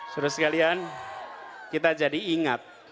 saudara sekalian kita jadi ingat